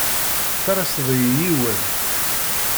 Tettalaseḍ-iyi yiwen.